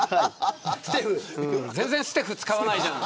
全然ステフ使わないじゃん。